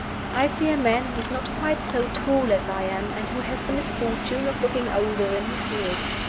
I see a man who is not quite so tall as I am, and who has the misfortune of looking older than his years.